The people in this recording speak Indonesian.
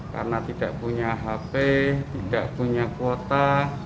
karena tidak punya hp tidak punya kuota